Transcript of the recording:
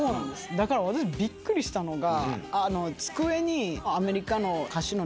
だから私びっくりしたのが。